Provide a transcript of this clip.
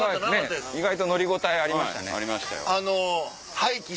意外と乗り応えありましたね。